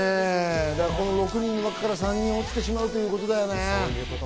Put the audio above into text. この６人の中から３人落ちてしまうってことだね。